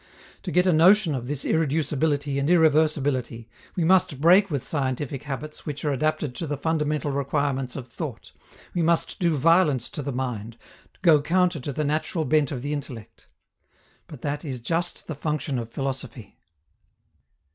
To get a notion of this irreducibility and irreversibility, we must break with scientific habits which are adapted to the fundamental requirements of thought, we must do violence to the mind, go counter to the natural bent of the intellect. But that is just the function of philosophy.